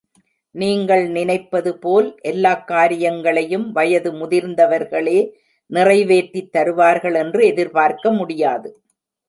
நீங்கள் நினைப்பதுபோல் எல்லாக் காரியங்களையும் வயது முதிர்ந்தவர்களே நிறைவேற்றித் தருவார்கள் என்று எதிர்பார்க்க முடியாது.